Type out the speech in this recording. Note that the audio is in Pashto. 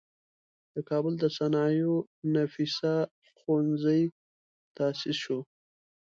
د کابل د صنایعو نفیسه ښوونځی تاسیس شو.